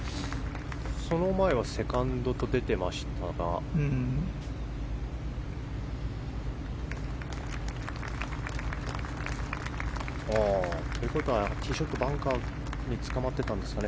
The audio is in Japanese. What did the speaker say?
その前はセカンドと出てましたが。ということはティーショットがバンカーにつかまってたんですかね。